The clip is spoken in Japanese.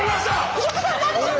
藤岡さん何でしょう？